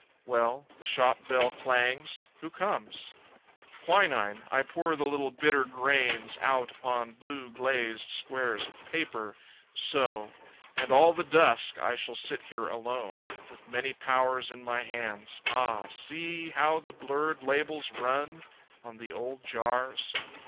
Well... The shop bell clangs! Who comes? Quinine I pour the little bitter grains Out upon blue, glazed squares of paper. So. And all the dusk I shall sit here alone, With many powers in my hands ah, see How the blurred labels run on the old jars!